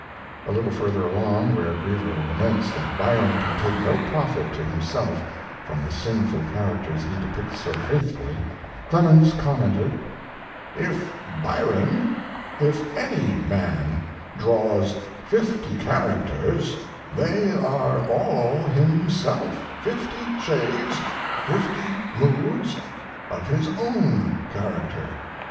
A little further along where Greville laments that Byron can take no profit to himself from the sinful characters he depicts so faithfully, Clemens commented: If Byron if any man draws 50 characters, they are all himself 50 shades, 50 moods, of his own character.